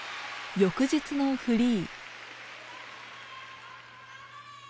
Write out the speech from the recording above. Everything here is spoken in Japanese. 翌日のフリー。